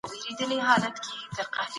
فکري پرمختګ د ټولني لاره روښانه کړې ده.